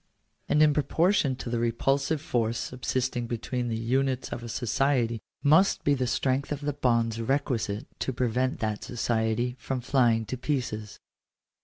And in proportion to the repulsive force sub sisting between the units of a society must be the strength of the bonds requisite to prevent that society from flying to pieces.